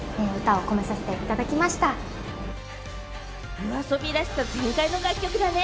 ＹＯＡＳＯＢＩらしさ全開の楽曲だね！